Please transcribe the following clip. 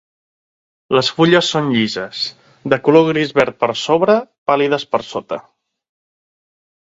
Les fulles són llises, de color gris-verd per sobre, pàl·lides per sota.